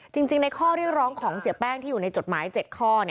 จริงในข้อเรียกร้องของเสียแป้งที่อยู่ในจดหมาย๗ข้อ